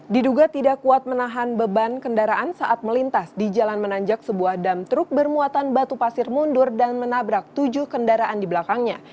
diduga tidak kuat menahan beban kendaraan saat melintas di jalan menanjak sebuah dam truk bermuatan batu pasir mundur dan menabrak tujuh kendaraan di belakangnya